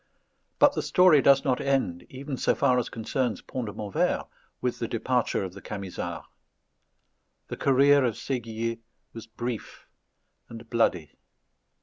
But the story does not end, even so far as concerns Pont de Montvert, with the departure of the Camisards. The career of Séguier was brief and bloody.